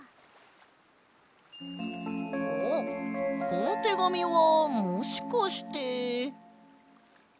このてがみはもしかして。